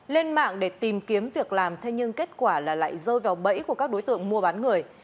lên mạng để tìm kiếm việc làm thế nhưng kết quả là lại rơi vào bẫy của các đối tượng mua bán người